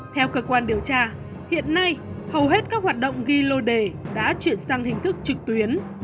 theo cơ quan điều tra hiện nay hầu hết các hoạt động ghi lô đề đã chuyển sang hình thức trực tuyến